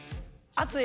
熱い？